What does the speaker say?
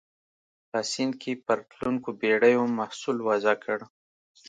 په سیند کې پر تلونکو بېړیو محصول وضع کړ.